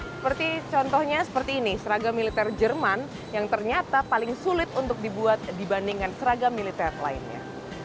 seperti contohnya seperti ini seragam militer jerman yang ternyata paling sulit untuk dibuat dibandingkan seragam militer lainnya